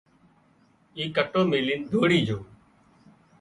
اي ڪٽو ميلين ڌوڙي جھو